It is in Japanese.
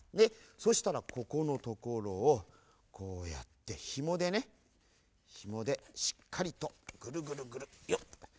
そうしたらここのところをこうやってひもでねひもでしっかりとぐるぐるぐるギュッ。